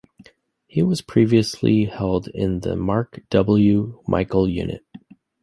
He was previously held in the Mark W. Michael Unit.